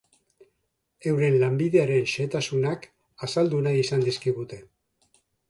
Euren lanbidearen xehetasunak azaldu nahi izan dizkigute.